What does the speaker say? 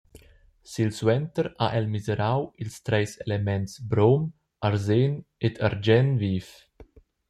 Silsuenter ha el mesirau ils treis elements brom, arsen ed argien viv.